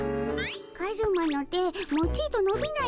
カズマの手もちとのびないのかの。